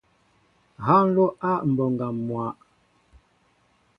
Ha nló a e mɓoŋga mwa.